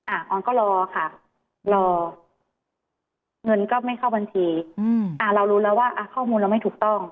ออนก็รอค่ะรอเงินก็ไม่เข้าบัญชีอืมอ่าเรารู้แล้วว่าข้อมูลเราไม่ถูกต้อง